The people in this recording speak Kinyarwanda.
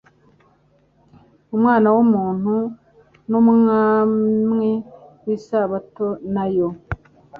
Umwana w'umuntu ni Umwamwi w'lsabato nayo"."